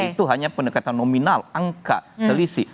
itu hanya pendekatan nominal angka selisih